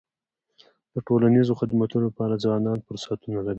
د ټولنیزو خدمتونو لپاره ځوانان فرصتونه لري.